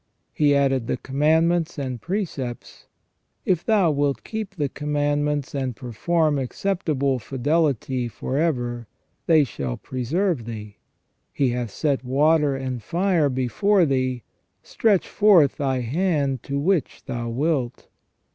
He added the command ments and precepts : If thou wilt keep the commandments and perform acceptable fidelity for ever, they shall preserve thee. He hath set water and fire before thee : stretch forth thy hand to which thou wilt.